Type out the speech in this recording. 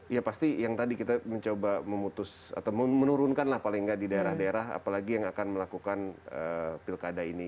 ya pasti yang tadi kita mencoba memutus atau menurunkan lah paling nggak di daerah daerah apalagi yang akan melakukan pilkada ini